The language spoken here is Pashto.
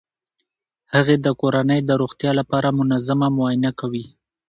هغې د کورنۍ د روغتیا لپاره منظمه معاینه کوي.